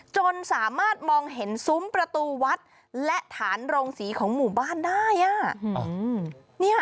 จนสามารถมองเห็นซุ้มประตูวัดและฐานโรงศรีของหมู่บ้านได้